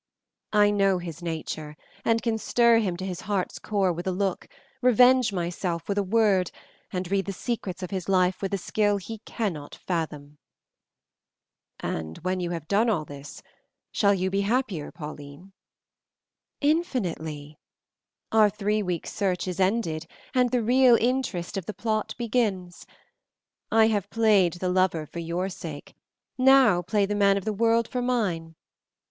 I know his nature, and can stir him to his heart's core with a look, revenge myself with a word, and read the secrets of his life with a skill he cannot fathom." "And when you have done all this, shall you be happier, Pauline?" "Infinitely; our three weeks' search is ended, and the real interest of the plot begins. I have played the lover for your sake, now play the man of the world for mine.